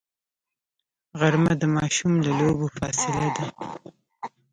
غرمه د ماشوم له لوبو فاصله ده